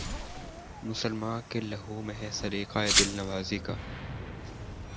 مسلماں کے لہو میں ہے سلیقہ دل نوازی کا